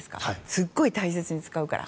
すごい大切に使うから。